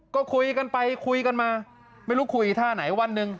ก็คุยกันไปคุยกันมาไม่รู้คุยท่าไหนวันหนึ่ง